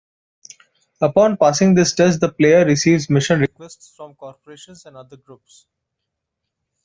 Upon passing this test, the player receives mission requests from corporations and other groups.